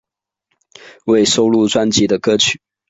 未收录专辑的单曲